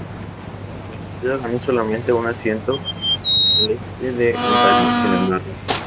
El partido ganó solamente un asiento al este de Ontario, sin embargo.